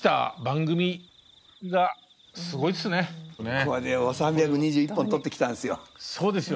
これを３２１本撮ってきたんですよ。